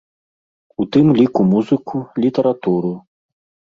У тым ліку музыку, літаратуру.